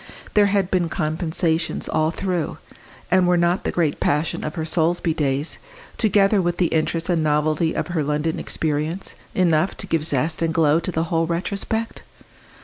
There had been compensations all through and were not the great passion of her Solesby days, together with the interest and novelty of her London experience, enough to give zest and glow to the whole retrospect?